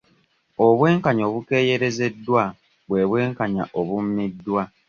Obwenkanya obukeereyezeddwa bwe bw'enkanya obumiddwa.